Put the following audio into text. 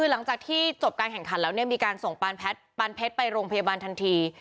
หลังจากที่จบการแข่งขันแล้วมีการส่งปานเพชรไปโรงพยาบาลทันที